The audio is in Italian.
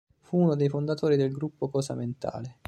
Fu uno dei fondatori del gruppo "Cosa Mentale".